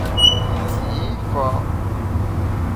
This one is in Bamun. Sî fa’ !